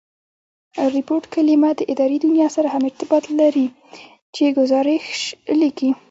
ریپوټ کلیمه د اداري دونیا سره هم ارتباط لري، چي ګوزارښ لیکي.